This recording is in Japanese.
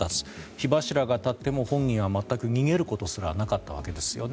火柱が立っても本人は全く逃げることすらもなかったわけですよね。